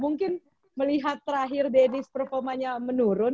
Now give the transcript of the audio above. mungkin melihat terakhir daddies performanya menurun